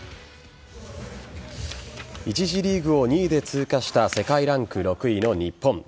１次リーグを２位で通過した世界ランク６位の日本。